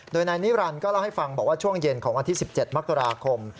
โดยนายนิรันดิก็เล่าให้ฟังบอกว่าช่วงเย็นของวันที่๑๗มกราคม